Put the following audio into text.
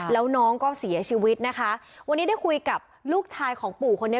แล้วน้องก็เสียชีวิตนะคะวันนี้ได้คุยกับลูกชายของปู่คนนี้